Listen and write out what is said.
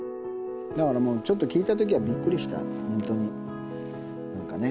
だからもう、ちょっと聞いたときはびっくりしたよ、本当に。